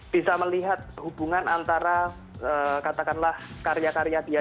bisa melihat hubungan antara katakanlah yang mana mana dalam karya karya kita ya